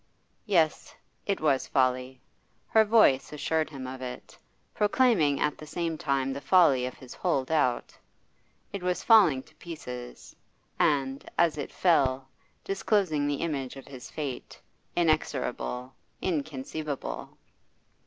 Yes, it was folly; her voice assured him of it, proclaiming at the same time the folly of his whole doubt. It was falling to pieces, and, as it fell, disclosing the image of his fate, inexorable, inconceivable.